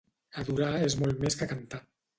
Adorar és molt més que cantar.